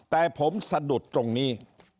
แต่ผมสะดุดตรงนี้